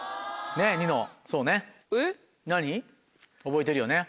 覚えてるよね？